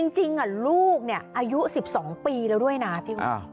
จริงลูกอายุ๑๒ปีแล้ว